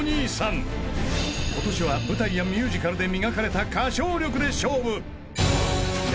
［今年は舞台やミュージカルで磨かれた歌唱力で勝負］